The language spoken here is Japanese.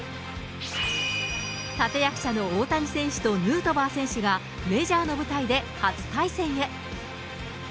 立役者の大谷選手とヌートバー選手が、メジャーの舞台で初対戦へ。